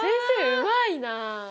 うまいな。